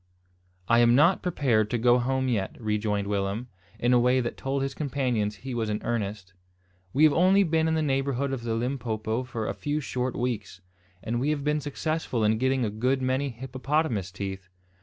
"I am not prepared to go home yet," rejoined Willem, in a way that told his companions he was in earnest. "We have only been in the neighbourhood of the Limpopo for a few short weeks; and we have been successful in getting a good many hippopotamus teeth.